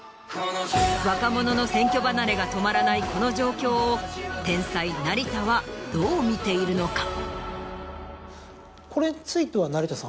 若者の選挙離れが止まらないこの状況を天才成田はどう見ているのか。